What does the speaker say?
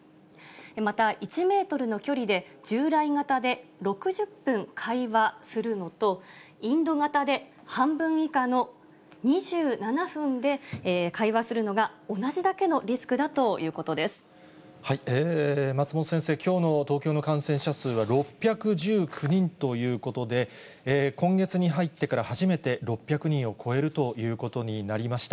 また１メートルの距離で、従来型で６０分会話するのと、インド型で半分以下の２７分で会話するのが、同じだけのリスクだ松本先生、きょうの東京の感染者数は６１９人ということで、今月に入ってから初めて６００人を超えるということになりました。